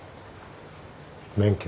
免許？